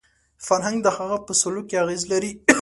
فرهنګ د هغه په سلوک کې اغېز لري